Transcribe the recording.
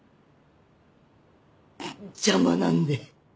クッ邪魔なんで。